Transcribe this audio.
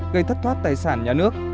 gây thất thoát tài sản nhà nước